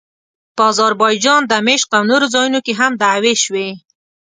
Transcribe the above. په اذربایجان، دمشق او نورو ځایونو کې هم دعوې شوې.